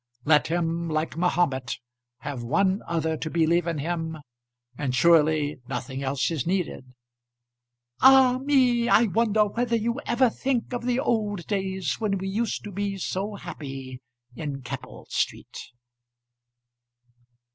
Let him, like Mahomet, have one other to believe in him, and surely nothing else is needed. "Ah me! I wonder whether you ever think of the old days when we used to be so happy in Keppel Street?"